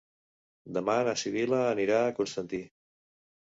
Demà na Sibil·la anirà a Constantí.